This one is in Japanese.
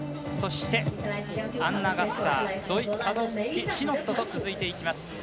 そしてアンナ・ガッサーゾイ・サドフスキシノットと続いていきます。